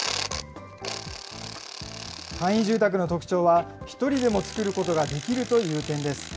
簡易住宅の特徴は、１人でも作ることができるという点です。